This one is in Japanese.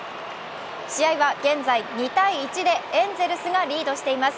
試合は現在２−１でエンゼルスがリードしています。